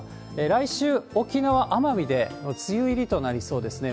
来週、沖縄・奄美で梅雨入りとなりそうですね。